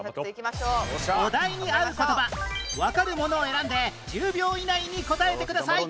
お題に合う言葉わかるものを選んで１０秒以内に答えてください